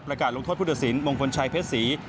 ประกาศลงทศพุทธศิลป์มงคลชายเพชรศรี